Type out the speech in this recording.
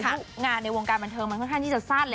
เพราะว่างานในวงการบรรเทิงมันค่อนข้างที่จะซาด